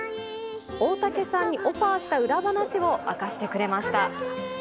大竹さんにオファーした裏話を明かしてくれました。